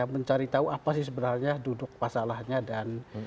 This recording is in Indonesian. mencari tahu apa sih sebenarnya duduk masalahnya dan